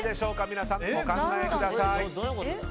皆さん、お考えください。